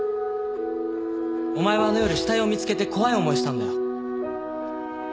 お前はあの夜死体を見つけて怖い思いしたんだよ。